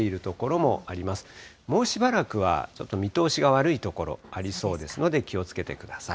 もうしばらくはちょっと見通しが悪い所ありそうですので、気をつけてください。